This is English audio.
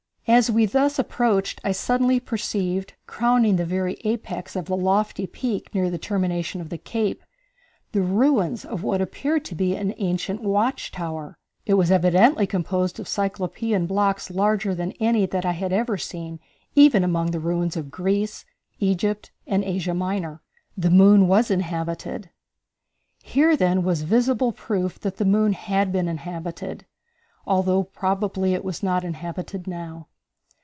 As we thus approached I suddenly perceived, crowning the very apex of the lofty peak near the termination of the cape, the ruins of what appeared to be an ancient watch tower. It was evidently composed of Cyclopean blocks larger than any that I had ever seen even among the ruins of Greece, Egypt and Asia Minor. The Moon Was Inhabited. Here, then, was visible proof that the moon had been inhabited, although probably it was not inhabited now.